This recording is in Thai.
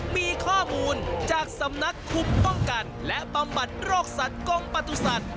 มีข้อมูลจากสำนักคุมป้องกันและบำบัดโรคสัตว์กรมประตุสัตว์